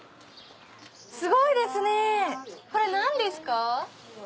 すごいですねこれ何ですか？